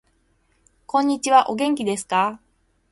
こんにちはお元気ですか